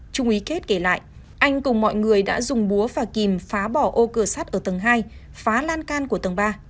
trung ý kết kể lại anh cùng mọi người đã dùng búa và kìm phá bỏ ô cửa sắt ở tầng hai phá lan can của tầng ba